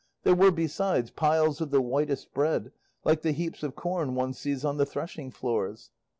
There were, besides, piles of the whitest bread, like the heaps of corn one sees on the threshing floors.